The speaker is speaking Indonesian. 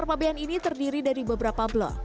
pintu masuk pasar fabian ini terdiri dari beberapa blok